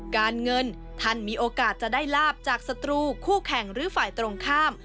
การเงินท่านมีโอกาสจะได้ลาบจากศัตรูคู่แข่งหรือฝ่ายตรงข้าม